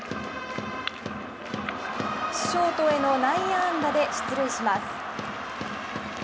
ショートへの内野安打で出塁します。